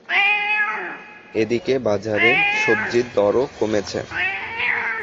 এদিকে বাজারে সবজির দরও কমেছে।